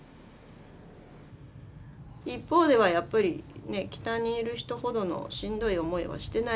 一方ではやっぱり北にいる人ほどのしんどい思いはしてない。